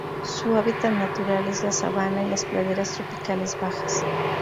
Su hábitat natural es la sabana y las praderas tropicales bajas.